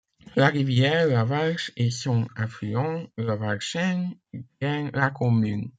La rivière la Warche et son affluent, la Warchenne, drainent la commune.